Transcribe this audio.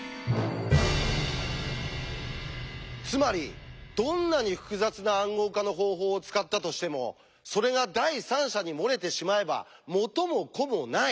つまりどんなに複雑な「暗号化の方法」を使ったとしてもそれが第三者に漏れてしまえば元も子もない！